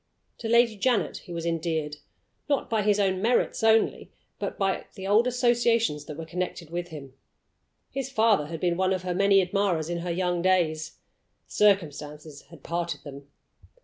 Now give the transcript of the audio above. To Lady Janet he was endeared, not by his own merits only, but by old associations that were connected with him. His father had been one of her many admirers in her young days. Circumstances had parted them.